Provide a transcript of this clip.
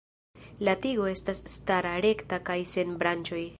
La tigo estas stara, rekta kaj sen branĉoj.